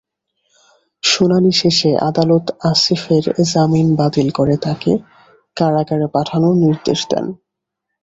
শুনানি শেষে আদালত আসিফের জামিন বাতিল করে তাঁকে কারাগারে পাঠানোর নির্দেশ দেন।